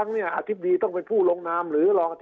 คราวนี้เจ้าหน้าที่ป่าไม้รับรองแนวเนี่ยจะต้องเป็นหนังสือจากอธิบดี